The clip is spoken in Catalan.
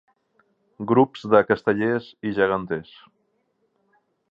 Grups de castellers i geganters.